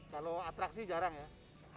kalau atraksi jarang ya